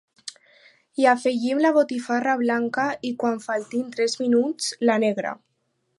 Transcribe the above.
Hi afegim la botifarra blanca i, quan faltin tres minuts, la negra.